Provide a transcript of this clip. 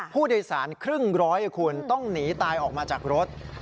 ผู้โดยสารครึ่งร้อยคุณต้องหนีตายออกมาจากรถ